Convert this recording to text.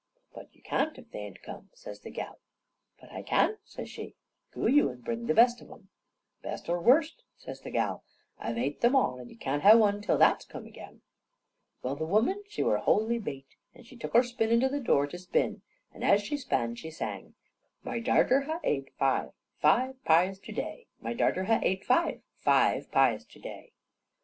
"But you can't, if they ain't come," says the gal. "But I can," says she. "Goo you and bring the best of 'em." "Best or worst," says the gal, "I've ate 'em all, and you can't ha' one till that's come agin." Well, the woman she were wholly bate, and she took her spinnin' to the door to spin, and as she span she sang: "My darter ha' ate five, five pies to day My darter ha' ate five, five pies to day."